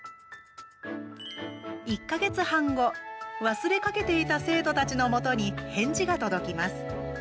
１か月半後、忘れかけていた生徒たちのもとに返事が届きます。